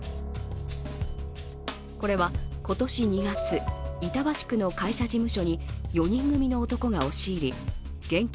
これは今年２月、板橋区の会社事務所に４人組の男が押し入り現金